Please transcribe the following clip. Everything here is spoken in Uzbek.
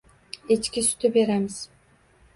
— Echki suti beramiz.